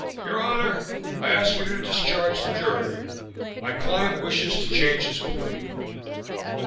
"Your honor! I ask you to discharge the jury. My client wishes to change his plea."